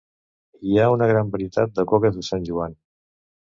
Hi ha una gran varietat de coques de Sant Joan.